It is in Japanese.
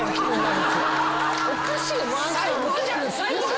おかしい。